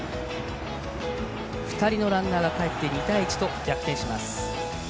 ２人のランナーがかえって２対１と逆転します。